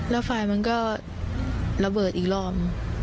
แล้วไฟมันก็ระเบิดอีกรอบ